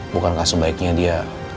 bukankah sebaiknya dia